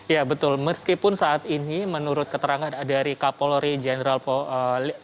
ya betul meskipun saat ini menurut keterangan dari kapolri jenderal listio sigit prabowo yang mengatakan bahwa kemarin